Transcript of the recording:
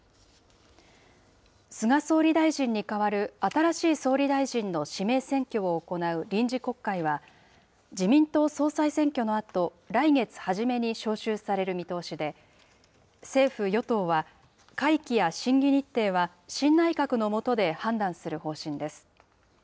菅総理大臣に代わる新しい総理大臣の指名選挙を行う臨時国会は、自民党総裁選挙のあと、来月初めに召集される見通しで、政府・与党は、会期や審議日程は、新内閣の下で判断する方針です。